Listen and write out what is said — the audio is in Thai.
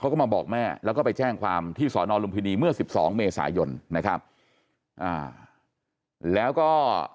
เขามาบอกแม่แล้วก็ไปแจ้งความที่สอนรภินีเมื่อ๑๒เมษายนนะครับแล้วก็